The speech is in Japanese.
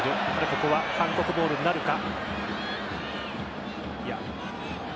ここは韓国ボールになるか。